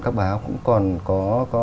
các báo cũng còn có